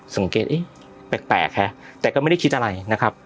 สังเกตเอ๊ะแปลกฮะแต่ก็ไม่ได้คิดอะไรนะครับ